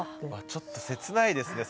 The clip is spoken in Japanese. ちょっと切ないですね